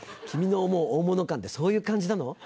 君の思う大物感ってそういう感じなの？